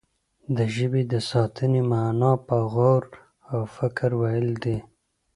د ژبې د ساتنې معنا په غور او فکر ويل دي.